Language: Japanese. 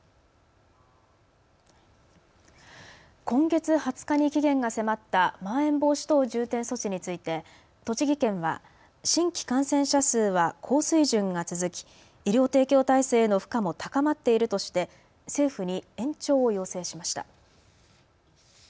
今月２０日に期限が迫ったまん延防止等重点措置について栃木県は新規感染者数は高水準が続き医療提供体制への負荷も高まっているとして政府に延長を要請しました。